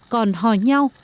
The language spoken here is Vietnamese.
còn hò nhau